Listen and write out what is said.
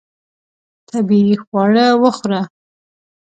طبیعي خواړه وخوره.